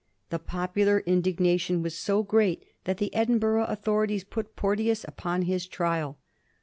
The popular indignation was so great that the Edin burgh authorities put Porteous upon his trial.